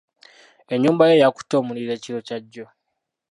Ennyumba ye yakutte omuliro ekiro kya jjo.